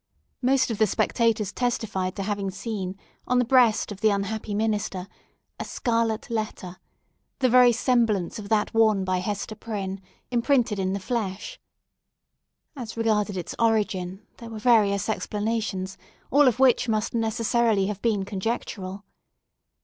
Most of the spectators testified to having seen, on the breast of the unhappy minister, a SCARLET LETTER—the very semblance of that worn by Hester Prynne—imprinted in the flesh. As regarded its origin there were various explanations, all of which must necessarily have been conjectural.